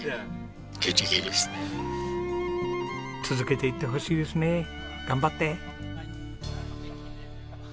続けていってほしいですね。頑張って！